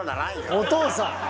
「お父さん！」